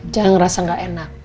jangan ngerasa gak enak